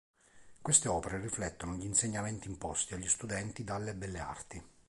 Queste opere riflettono gli insegnamenti imposti agli studenti dalle Belle Arti.